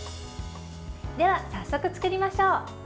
では、早速作りましょう。